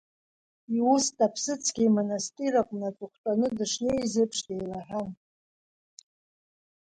Иуста аԥсыцқьа имонастир аҟны аҵыхәтәаны дышнеиз еиԥш деилаҳәан.